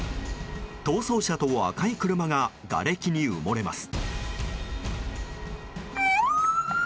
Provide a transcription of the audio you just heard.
逃走車と赤い車ががれきに埋もれます。